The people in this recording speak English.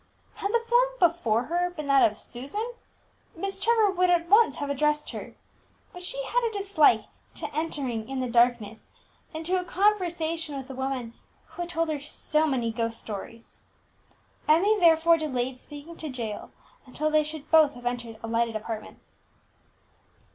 Had the form before her been that of Susan, Miss Trevor would at once have addressed her; but she had a dislike to entering in the darkness into a conversation with a woman who had told her so many ghost stories. Emmie therefore delayed speaking to Jael until they should both have entered a lighted apartment.